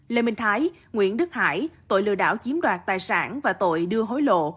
lê minh thái nguyễn đức hải tội lừa đảo chiếm đoạt tài sản và tội đưa hối lộ